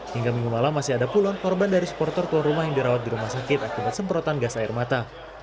hingga minggu malam masih ada puluhan korban dari supporter tuan rumah yang dirawat di rumah sakit akibat semprotan gas air mata